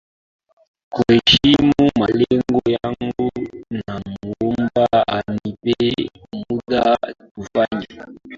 kuheshimu malengo yangu namuomba anipe muda tufanye mahojiano ya kipekee kuhusu maisha yake ya